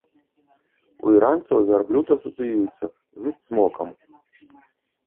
У іранцаў вярблюд асацыюецца з цмокам.